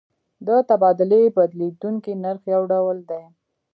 د تبادلې بدلیدونکی نرخ یو ډول دی.